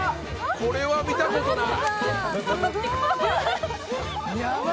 これは見たことない。